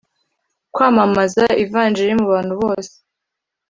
kwamamaza ivanjili mu bantu bose